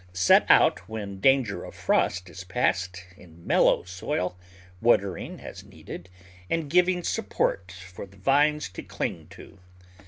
Set out when danger of frost is past in mellow soil, watering as needed, and giving support for the vines to cling to.